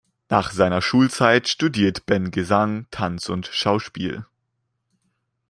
Nach seiner Schulzeit studierte Ben Gesang, Tanz und Schauspiel.